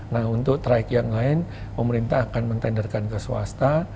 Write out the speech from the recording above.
nah untuk track yang lain pemerintah akan mentenderkan ke swasta